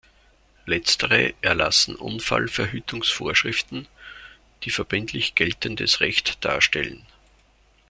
Letztere erlassen Unfallverhütungsvorschriften, die verbindlich geltendes Recht darstellen.